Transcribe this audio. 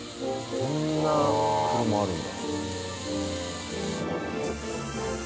こんな車あるんだ。